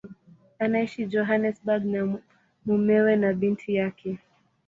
Anaishi Johannesburg na mumewe na binti yake.